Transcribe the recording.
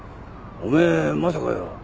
おめえまさかよ